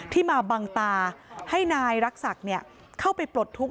ที่มาบังตาให้นายรักษักเข้าไปปลดทุกข